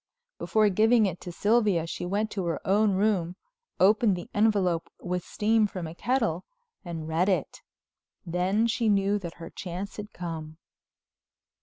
Before giving it to Sylvia she went to her own room, opened the envelope with steam from a kettle, and read it. Then she knew that her chance had come.